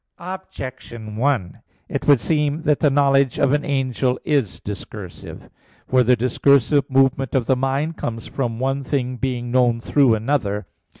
Objection 1: It would seem that the knowledge of an angel is discursive. For the discursive movement of the mind comes from one thing being known through another.